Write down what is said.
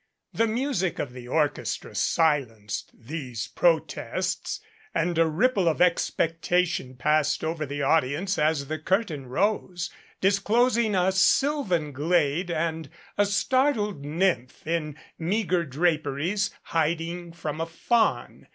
The music of the orchestra silenced these protests and a ripple of expectation passed over the audience as the curtain rose, disclosing a sylvan glade and a startled nymph in meager draperies hiding from a faun.